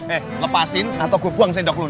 eh lepasin atau gw buang sedok lu nih